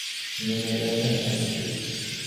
প্রায় শত বর্ষ ধরিয়া এই সংস্কার-আন্দোলন চলিতেছে।